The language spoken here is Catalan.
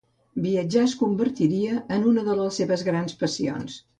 Viatjar es convertiria en una de les seves grans passions.